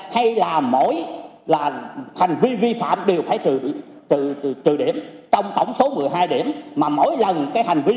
hay là mỗi là hành vi vi phạm đều phải trừ từ điểm trong tổng số một mươi hai điểm mà mỗi lần cái hành vi